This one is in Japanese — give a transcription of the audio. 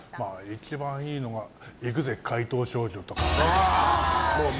一番いいのが「行くぜっ！怪盗少女」とか。